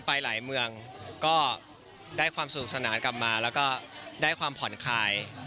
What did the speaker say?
ไปหลายเมืองก็ได้ความสนุกสนานกลับมาแล้วก็ได้ความผ่อนคลาย